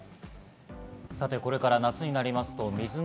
これから夏になりますと水の